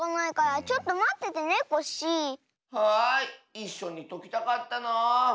いっしょにときたかったなあ。